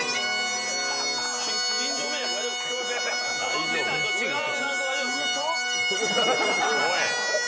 思ってたのと違う。